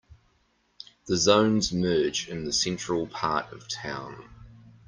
The zones merge in the central part of town.